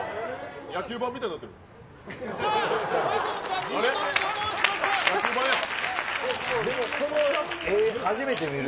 野球盤みたいになってる。